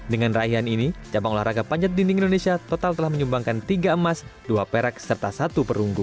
dengan raihan ini cabang olahraga panjat dinding indonesia total telah menyumbangkan tiga emas dua perak serta satu perunggu